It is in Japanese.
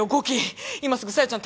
今すぐ小夜ちゃん